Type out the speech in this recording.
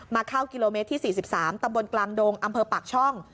เข้ากิโลเมตรที่๔๓ตำบลกลางดงอำเภอปากช่อง